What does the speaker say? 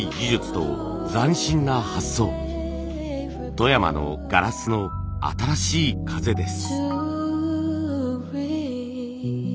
富山のガラスの新しい風です。